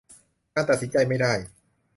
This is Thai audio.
การตัดสินใจไม่ได้